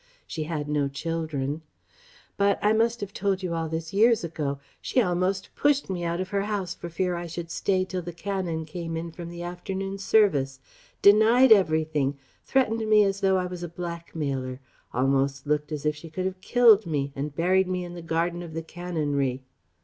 She had no children.... But I must have told you all this years ago? she almost pushed me out of her house for fear I should stay till the Canon came in from the afternoon service; denied everything; threatened me as though I was a blackmailer; almost looked as if she could have killed me and buried me in the garden of the Canonry....